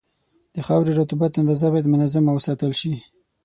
د خاورې رطوبت اندازه باید منظمه وساتل شي.